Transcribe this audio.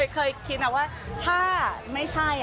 เคยคิดนะว่าถ้าไม่ใช่